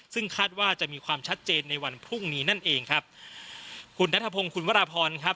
ซึ่งคาดว่าจะมีความชัดเจนในวันพรุ่งนี้นั่นเองครับคุณนัทพงศ์คุณวราพรครับ